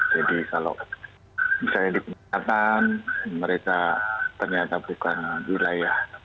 jadi kalau misalnya di penyekatan mereka ternyata bukan wilayah